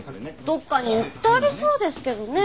どこかに売ってありそうですけどね